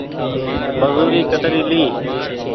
مزوري ڪتري ليئي ۔